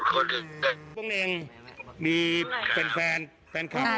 พี่โป้งเน่งมีแฟนแฟนคลับเอฟซี